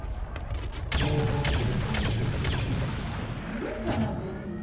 いいじゃない別に。